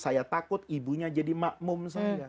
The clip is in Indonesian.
saya takut ibunya jadi makmum saya